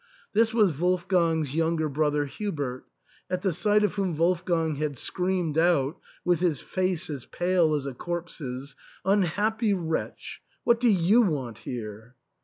This was Wolfgang's younger brother Hubert, at the sight of whom Wolf gang had screamed out, with his face as pale as a corpse's, " Unhappy wretch, what do you want here